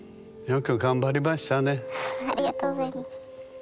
よく頑張りましたね。